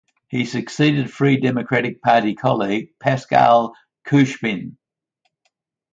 He succeeded Free Democratic Party colleague Pascal Couchepin.